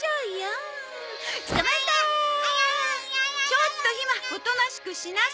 ちょっとひまおとなしくしなさい。